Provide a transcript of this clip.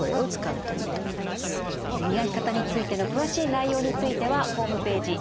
磨き方についての詳しい内容についてはホームページ